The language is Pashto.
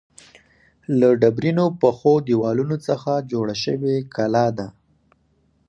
له ډبرینو پخو دیوالونو څخه جوړه شوې کلا ده.